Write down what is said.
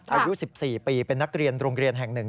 อายุ๑๔ปีเป็นนักเรียนโรงเรียนแห่ง๑